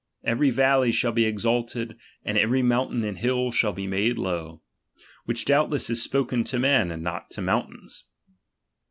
Every valley shall be exalted, and every mountain and hill shall he made low: which doubtless is spoken to men, and not to mountains.